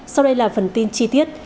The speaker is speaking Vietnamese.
sau đây là phần tin chi tiết